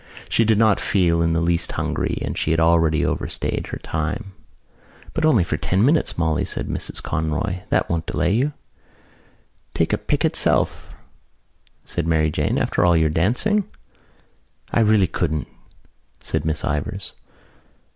She did not feel in the least hungry and she had already overstayed her time. "But only for ten minutes, Molly," said Mrs Conroy. "That won't delay you." "To take a pick itself," said Mary Jane, "after all your dancing." "I really couldn't," said Miss Ivors.